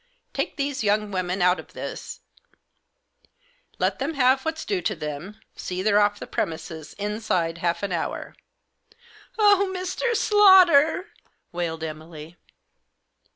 "Take these young women out of this ; let them have what's due to them ; see they're off the premises inside half an hour." " Oh, Mr. Slaughter 1 " wailed Emily.